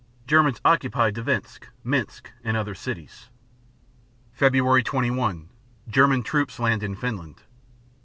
Germans occupy Dvinsk, Minsk, and other cities. Feb. 21 German troops land in Finland.